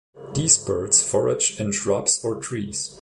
These birds forage in shrubs or trees.